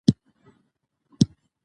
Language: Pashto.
ماشومان په لوبو کې تصمیم نیونه زده کوي.